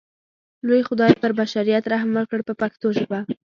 لوی خدای پر بشریت رحم وکړ په پښتو ژبه.